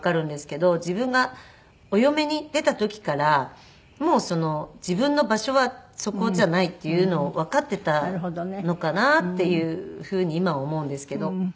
自分がお嫁に出た時からもう自分の場所はそこじゃないっていうのをわかっていたのかなっていうふうに今は思うんですけど。